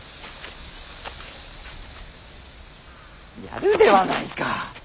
やるではないか。